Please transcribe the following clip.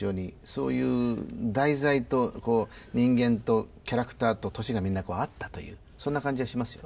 そういう題材と人間とキャラクターと年がみんなこう合ったというそんな感じがしますよね。